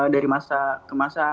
dari masa ke masa